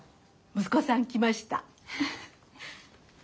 息子さん来ました。